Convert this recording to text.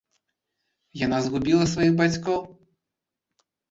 Яна згубіла сваіх бацькоў.